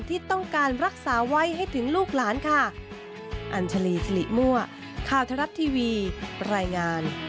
ที่ต้องการรักษาไว้ให้ถึงลูกหลานค่ะ